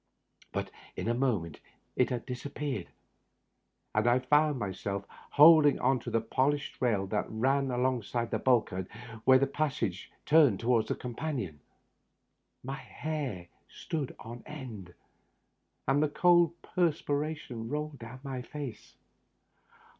But in a moment it had dis appeared, and I found myself holding on to the polished rail that ran along the bulkhead where the passage turned toward the companion. My hair stood on end, and the cold perspiration rolled down my face.